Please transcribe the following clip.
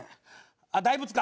あっ大仏か。